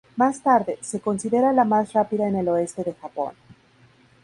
Más tarde, se considera la más rápida en el oeste de Japón.